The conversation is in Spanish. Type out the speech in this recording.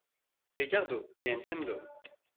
Ricardo, te entiendo.